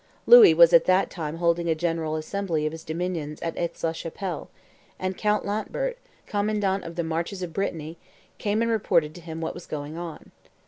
Louis was at that time holding a general assembly of his dominions at Aix la Chapelle; and Count Lantbert, commandant of the marches of Brittany, came and reported to him what was going on.